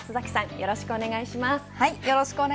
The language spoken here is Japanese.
よろしくお願いします。